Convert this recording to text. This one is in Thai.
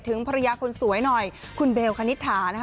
ถึงภรรยาคนสวยหน่อยคุณเบลคณิตถานะคะ